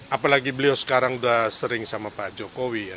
apalagi beliau sekarang sudah sering sama pak jokowi ya